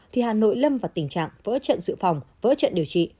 thì hà nội lâm vào tình trạng vỡ trận dự phòng vỡ trận điều trị